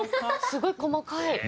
すごい細かい。